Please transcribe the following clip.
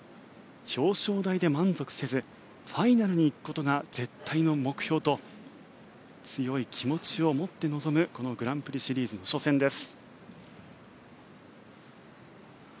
表彰台で満足せずファイナルに行くことが絶対の目標と強い気持ちを持って臨むこのグランプリシリーズ初戦です。